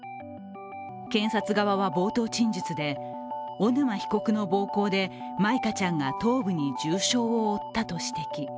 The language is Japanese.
検察側は冒頭陳述で、小沼被告の暴行で舞香ちゃんが頭部に重傷を負ったと指摘。